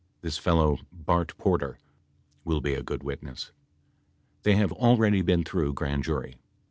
This fellow, Bart Porter, will be a good witness. They have already been through grand jury.